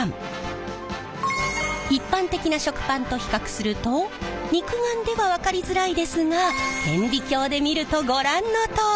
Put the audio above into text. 一般的な食パンと比較すると肉眼では分かりづらいですが顕微鏡で見るとご覧のとおり！